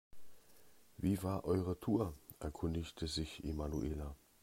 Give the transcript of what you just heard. Wie war eure Tour?, erkundigte sich Emanuela.